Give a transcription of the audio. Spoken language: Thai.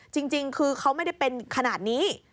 จริงคือเขาไม่ได้เป็นขนาดนี้